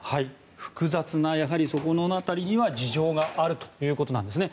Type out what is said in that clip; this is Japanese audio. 複雑なそこの辺りには事情があるということなんですね。